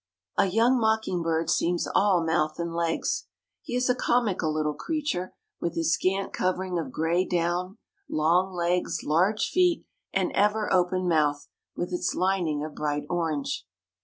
A young mocking bird seems all mouth and legs. He is a comical little creature with his scant covering of gray down, long legs, large feet and ever open mouth, with its lining of bright orange.